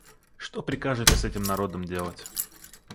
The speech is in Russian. Что прикажете с этим народом делать?